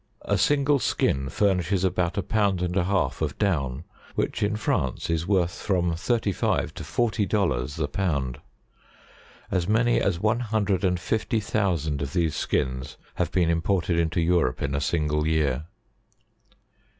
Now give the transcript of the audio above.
A single skin furnishes about a pound and a half of down which, in France, is worth from thirty five to forty dollars the pound. As many as one hundred and fifty thousand of these skins have been imported into Europe in a single year.